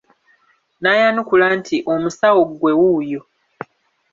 N'ayanukula nti Omusawo ggwe wuuyo.